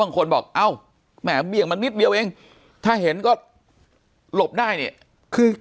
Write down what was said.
บางคนบอกเอ้าแหมมันเนี้ยเองถ้าเห็นก็หลบได้เนี้ยคือ